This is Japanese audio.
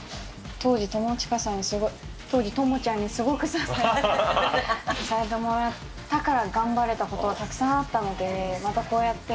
当時、友近さんにすごい、当時、友ちゃんにすごく支えてもらったから頑張れたことはたくさんあったので、またこうやって、